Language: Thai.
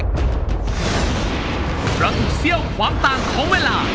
ถูกเซี่ยวความต่างของเวลา